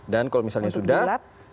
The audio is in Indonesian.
dan kalau misalnya sudah